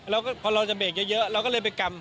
แล้วพอเราจะเบรกเยอะเราก็เลยไปกำ